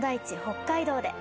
北海道で。